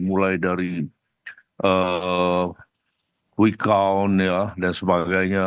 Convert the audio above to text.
mulai dari quick count dan sebagainya